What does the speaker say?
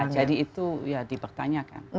jadi itu ya dipertanyakan